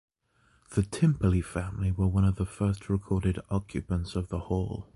The Timperley family were one of the first recorded occupants of the Hall.